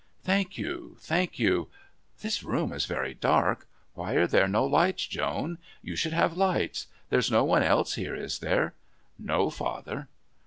"Thank you. Thank you. This room is very dark. Why are there no lights? Joan, you should have lights. There's no one else here, is there?" "No, father."